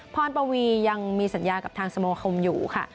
ปวียังมีสัญญากับทางสโมคมอยู่ค่ะ